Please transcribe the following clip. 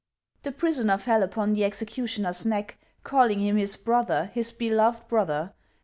The prisoner fell upon the executioner's neck, calling him his brother, his beloved brother.